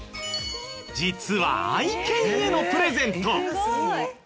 実は愛犬へのプレゼント。